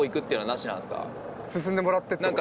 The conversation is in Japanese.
進んでもらってってこと？